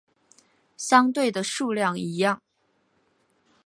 相对的数量一样。